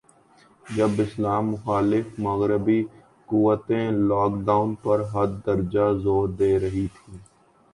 جب اسلام مخالف مغربی قوتیں, لاک ڈاون پر حد درجہ زور دے رہی تھیں